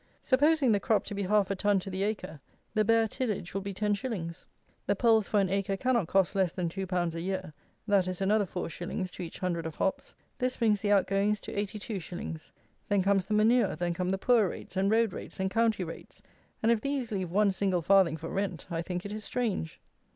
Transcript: Supposing the crop to be half a ton to the acre, the bare tillage will be 10_s._ The poles for an acre cannot cost less than 2_l._ a year; that is another 4_s._ to each hundred of hops. This brings the outgoings to 82_s._ Then comes the manure, then come the poor rates, and road rates, and county rates; and if these leave one single farthing for rent I think it is strange.